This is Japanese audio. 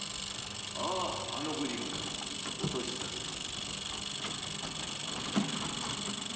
あぁあのご仁かお通ししなさい。